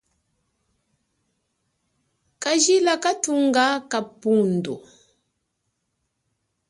Kajila kanthunga kapundo.